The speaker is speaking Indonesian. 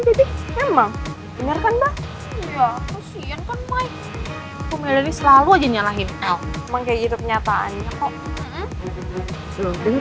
jadi emang bener kan mbak ya kesian kan mike selalu aja nyalahin menggigit nyataannya kok